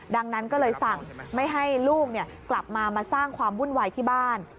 ดังนั้นก็เลยสั่งไม่ให้ลูกกลับมามาสร้างความวุ่นวายที่บ้าน